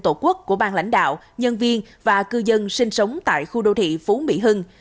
tổ quốc của bang lãnh đạo nhân viên và cư dân sinh sống tại khu đô thị phú mỹ hưng